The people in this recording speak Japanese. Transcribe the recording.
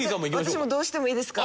私もどうしてもいいですか？